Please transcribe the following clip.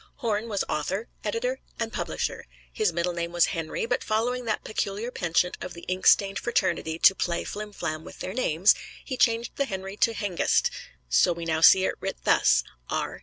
Horne was author, editor and publisher. His middle name was Henry, but following that peculiar penchant of the ink stained fraternity to play flimflam with their names, he changed the Henry to Hengist; so we now see it writ thus: R.